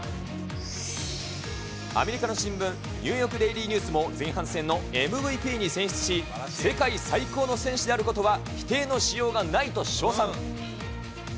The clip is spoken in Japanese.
アメリカの新聞、ニューヨークデイリーニュースも、前半戦のＭＶＰに選出し、世界最高の選手であることは否定のしようがないと称賛。